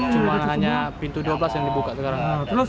cuma hanya pintu dua belas yang dibuka sekarang